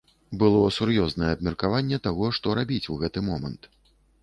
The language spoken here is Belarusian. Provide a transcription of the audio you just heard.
Было сур'ёзнае абмеркаванне таго, што рабіць у гэты момант.